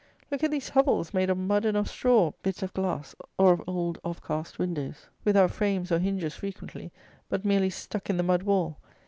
Look at these hovels, made of mud and of straw; bits of glass, or of old off cast windows, without frames or hinges, frequently, but merely stuck in the mud wall.